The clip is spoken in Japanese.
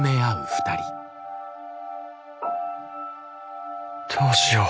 心の声どうしよう。